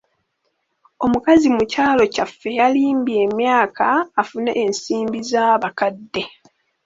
Omukazi mu kyalo kyaffe yalimbye emyaka afune ensimbi z'abakadde.